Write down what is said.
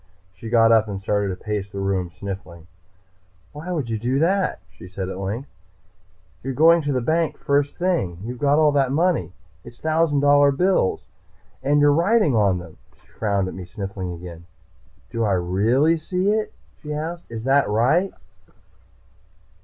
She got up and started to pace the room, sniffling. "Why would you do that?" she said at length. "You are going to the bank, first thing. You've got all that money. It's thousand dollar bills! And you're writing on them." She frowned at me, sniffling again. "Do I really see it?" she asked. "Is that right?"